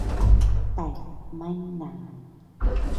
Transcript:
แต่ไม่นาน